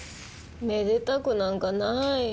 めでたくなんかない。